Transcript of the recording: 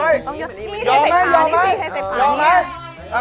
ยอมไหมยอมไหม